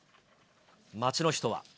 街の人は。